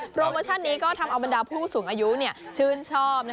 โมชั่นนี้ก็ทำเอาบรรดาผู้สูงอายุชื่นชอบ